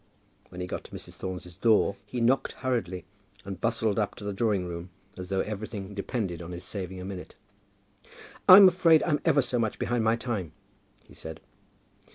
When he got to Mrs. Thorne's door he knocked hurriedly, and bustled up to the drawing room as though everything depended on his saving a minute. "I'm afraid I'm ever so much behind my time," he said.